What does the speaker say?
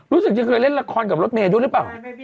รู้สึกที่เคยเล่นละครกับรถเมฆดูหรือเปล่า